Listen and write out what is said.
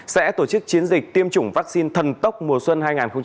sẽ tổ chức chiến dịch tiêm chủng vaccine thần tốc mùa xuân hai nghìn hai mươi